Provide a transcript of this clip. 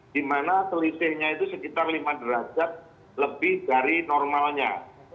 dimana selisihnya itu sekitar lima derajat lebih dari normalnya